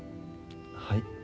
はい。